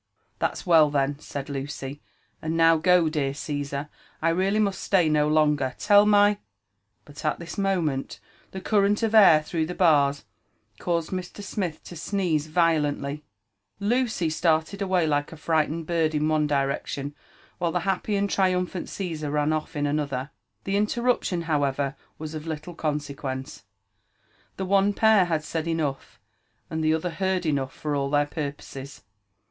"That's well then," said Lucy: and now go, dear Caesar,— I really must stay no longer. Tell my —" But at this moment the current of air through the bars caused Mr. Smith to sneeze violently. Lucy started away like a fnghtened bird in one direction, while the happy and triumphant Caesar ran o(T in another. The interruption, however, was of lillle consequence. The one pair had said enough, and the other heard enough for all their purposes.